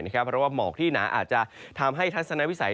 เพราะว่าหมอกที่หนาอาจจะทำให้ทัศนวิสัย